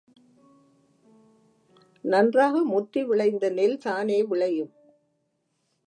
நன்றாக முற்றி விளைந்த நெல்தானே விளையும்?